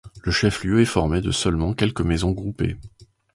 Le chef-lieu est formé de seulement quelques maisons groupées.